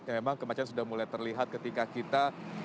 memang kemacetan sudah mulai terlihat ketika kita